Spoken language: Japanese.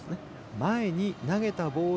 前に投げたボール